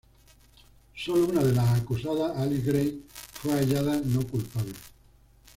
Solo una de las acusadas, Alice Grey, fue hallada no culpable.